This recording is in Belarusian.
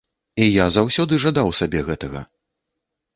І я заўсёды жадаў сабе гэтага.